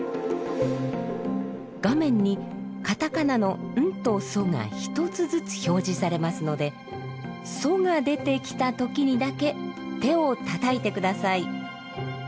画面に片仮名の「ン」と「ソ」が１つずつ表示されますので「ソ」が出てきた時にだけ手をたたいて下さい。